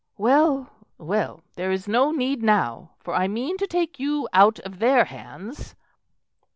"Well, well, there is no need now, for I mean to take you out of their hands."